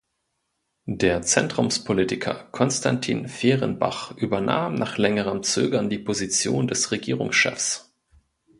Der Zentrumspolitiker Constantin Fehrenbach übernahm nach längerem Zögern die Position des Regierungschefs.